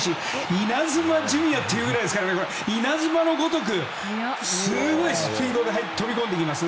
イナズマ純也と言うくらいですから稲妻のごとくすごいスピードで飛び込んできます。